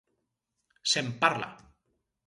Se'n parla.